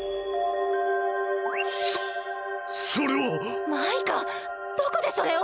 そそれは！マイカどこでそれを！？